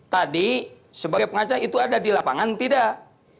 tadi sebagai pengacara itu ada di lapangan tidak